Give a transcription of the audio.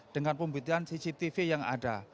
dengan pembuktian cctv yang ada